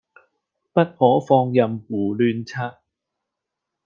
不可放任胡亂刷